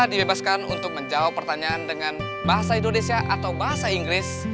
dibebaskan untuk menjawab pertanyaan dengan bahasa indonesia atau bahasa inggris